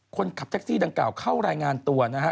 คนขับแท็กซี่ดังกล่าวเข้ารายงานตัวนะฮะ